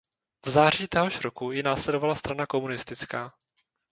V září téhož roku ji následovala strana komunistická.